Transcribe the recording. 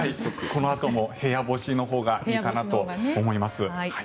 このあとも部屋干しのほうがいいかなと思います。